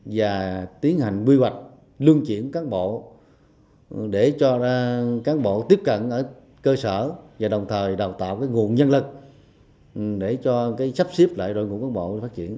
và tiến hành quy hoạch lưng chuyển cán bộ để cho cán bộ tiếp cận ở cơ sở và đồng thời đào tạo nguồn nhân lực để cho sắp xếp lại đội ngũ cán bộ phát triển